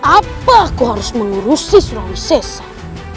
apa aku harus mengurusi surau sesan